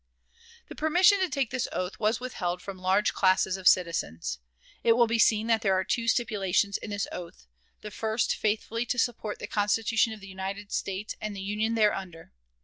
The permission to take this oath was withheld from large classes of citizens. It will be seen that there are two stipulations in this oath, the first faithfully to support the Constitution of the United States and the Union thereunder.